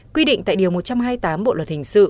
quy định tại điều một trăm hai mươi tám bộ luật hình sự